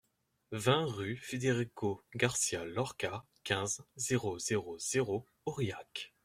vingt rue Federico Garcia Lorca, quinze, zéro zéro zéro, Aurillac